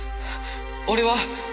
俺は。